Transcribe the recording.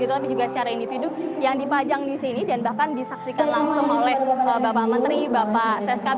tapi juga secara individu yang dipajang di sini dan bahkan disaksikan langsung oleh bapak menteri bapak seskap